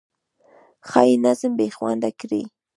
ښایي نظم بې خونده کړي.